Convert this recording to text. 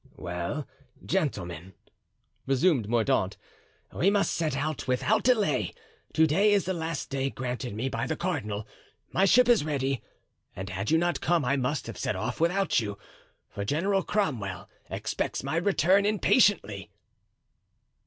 "Well, gentlemen," resumed Mordaunt, "we must set out without delay, to day is the last day granted me by the cardinal. My ship is ready, and had you not come I must have set off without you, for General Cromwell expects my return impatiently."